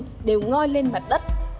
các loại dung đều ngói lên mặt đất